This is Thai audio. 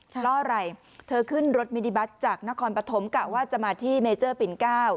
เพราะอะไรเธอขึ้นรถมินิบัตรจากนครปฐมกะว่าจะมาที่เมเจอร์ปิ่น๙